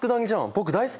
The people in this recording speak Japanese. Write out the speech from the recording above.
僕大好き！